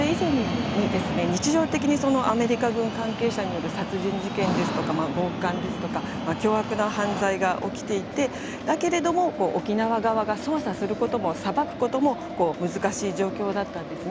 日常的にアメリカ軍関係者による殺人事件や強姦など凶悪な犯罪が起きていてだけれども沖縄側が捜査することも裁くことも難しい状況だったんです。